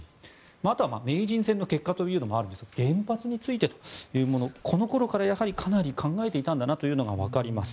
あとは名人戦の結果というのもあるんですが原発についてというものこの頃からかなり考えていたんだなというのがわかります。